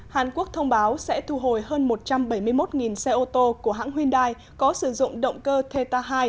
hàn quốc thông báo sẽ thu hồi hơn một trăm bảy mươi một xe ô tô của hãng hyundai có sử dụng động cơ keta hai